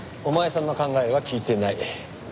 お前さんの考えは聞いてない。